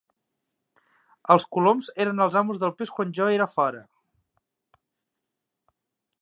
Els coloms eren els amos del pis quan jo era fora.